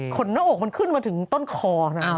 หน้าอกมันขึ้นมาถึงต้นคอนะ